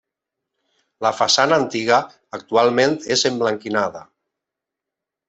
La façana antiga actualment és emblanquinada.